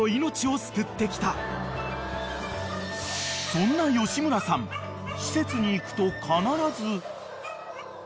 ［そんな吉村さん施設に行くと必ず］